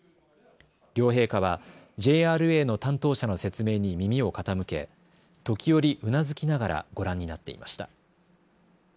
両陛下はＪＲＡの担当者の説明に耳を傾け、時折うなずきながらご覧になっていました。